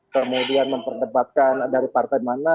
kemudian memperdebatkan dari partai mana